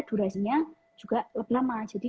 durasinya juga lebih lama jadi